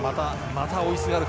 また追いすがる